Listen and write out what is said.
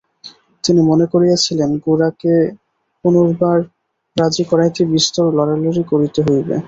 তিনি মনে করিয়াছিলেন গোরাকে পুনর্বার রাজি করাইতে বিস্তর লড়ালড়ি করিতে হইবে।